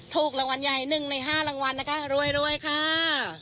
ถูกรางวัลใหญ่๑ใน๕แล้วรวยข้า